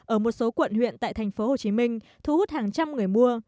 ở một số quận huyện tại tp hcm thu hút hàng trăm người mua